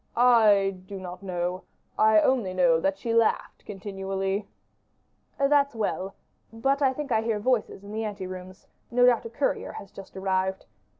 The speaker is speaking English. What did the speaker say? "I do not know; I only know that she laughed continually." "That's well; but I think I hear voices in the ante rooms no doubt a courier has just arrived.